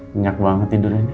minyak banget tidurnya ini